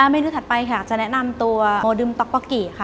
เมนูถัดไปค่ะจะแนะนำตัวโมดึมต๊อกป๊อกกี่ค่ะ